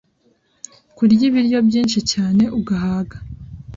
Kurya ibiryo byinshi cyane ugahaga